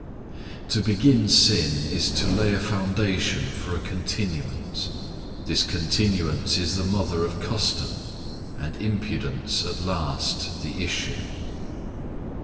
To begin sin is to lay a foundation for a continuance; this continuance is the mother of custom, and impudence at last the issue.